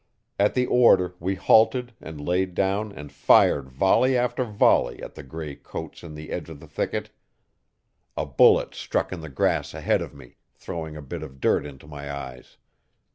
At the order we halted and laid down and fired volley after volley at the grey coats in the edge of the thicket A bullet struck in the grass ahead of me, throwing a bit of dirt into my eyes.